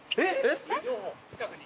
近くに。